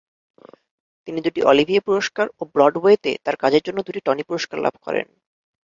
তিনি দুটি অলিভিয়ে পুরস্কার ও ব্রডওয়েতে তার কাজের জন্য দুটি টনি পুরস্কার লাভ করেন।